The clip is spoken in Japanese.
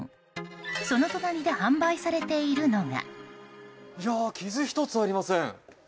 その隣で販売されているのが。